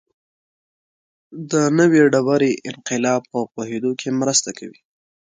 د نوې ډبرې انقلاب په پوهېدو کې مرسته کوي.